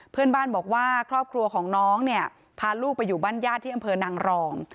เพื่อนบ้านบอกว่าครอบครัวของน้องเนี่ยพาลูกไปอยู่บ้านญาติที่อำเภอนางรอง